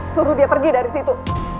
suruh dia pergi dari situ